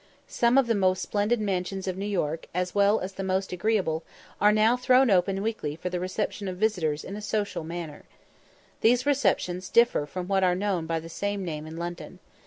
Some of the most splendid mansions of New York, as well as the most agreeable, are now thrown open weekly for the reception of visitors in a social manner. These receptions differ from what are known by the same name in London.